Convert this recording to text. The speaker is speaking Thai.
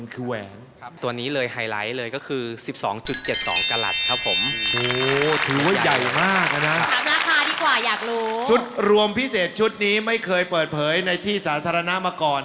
ถามราคาดีกว่าอยากรู้ชุดรวมพิเศษชุดนี้ไม่เคยเปิดเผยในที่สาธารณะมาก่อน